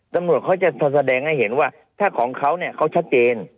ตำรวจเขาจะแสดงให้เห็นว่าถ้าของเขาเนี่ยเขาชัดเจน